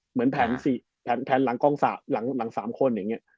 เหมือนแผนหลังกองศาสตร์หลัง๓คน